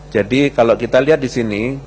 jadi kalau kita lihat di sini